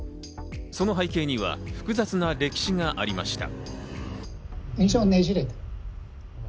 その背景には複雑な歴史がありました。